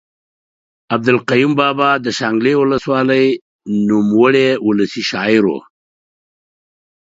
عبدالقیوم بابا د شانګلې اولس والۍ نوموړے اولسي شاعر ؤ